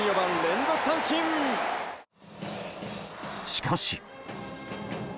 しかし。